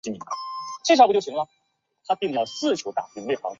常见的最高要求是水和空气污染。